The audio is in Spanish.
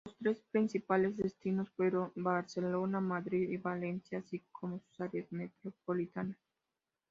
Los tres principales destinos fueron Barcelona, Madrid y Valencia, así como sus áreas metropolitanas.